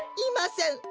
いません！